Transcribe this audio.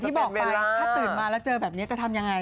ติดมาแล้วเจอแบบนี้จะทำยังไง